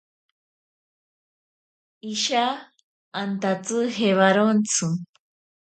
Isha antatsi jewarontsi.